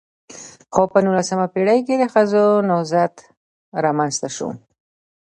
خو په نولسمه پېړۍ کې د ښځو نضهت رامنځته شو .